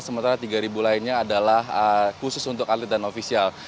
sementara tiga lainnya adalah khusus untuk atlet dan ofisial